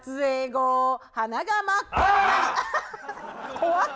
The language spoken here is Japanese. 怖っ。